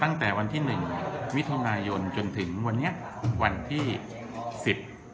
ตั้งแต่วันที่หนึ่งมิถุนายนจนถึงวันนี้วันที่สิบ